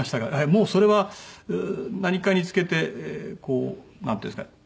もうそれは何かにつけてこうなんていうんですかね。